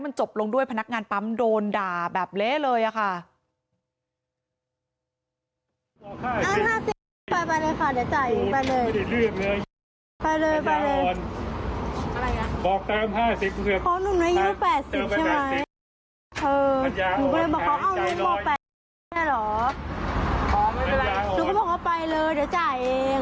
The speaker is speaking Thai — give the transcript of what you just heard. อ๋อไม่เป็นไรหนุ่มก็บอกว่าไปเลยเดี๋ยวจ่ายเอง